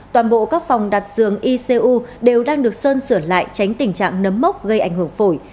toàn bộ các phòng đặt dường icu đều đang được sơn sửa lại tránh tình trạng nấm mốc gây ảnh hưởng phổi